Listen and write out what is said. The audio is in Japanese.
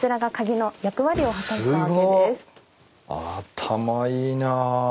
頭いいな。